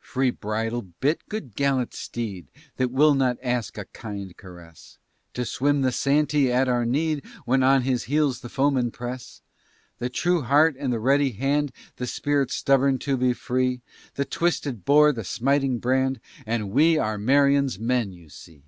Free bridle bit, good gallant steed, That will not ask a kind caress To swim the Santee at our need, When on his heels the foemen press, The true heart and the ready hand, The spirit stubborn to be free, The twisted bore, the smiting brand, And we are Marion's men, you see.